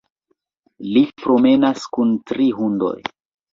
Li promenas kun tri hundoj.